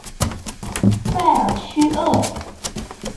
塞尔屈厄。